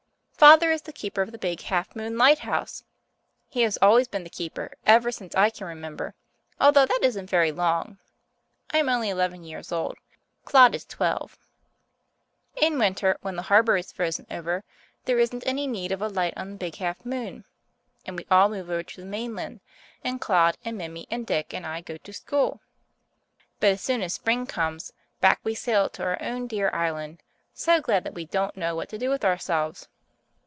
Father is the keeper of the Big Half Moon lighthouse. He has always been the keeper ever since I can remember, although that isn't very long. I am only eleven years old. Claude is twelve. In winter, when the harbour is frozen over, there isn't any need of a light on the Big Half Moon, and we all move over to the mainland, and Claude and Mimi and Dick and I go to school. But as soon as spring comes, back we sail to our own dear island, so glad that we don't know what to do with ourselves.